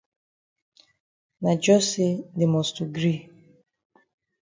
Na jus say dey must to gree.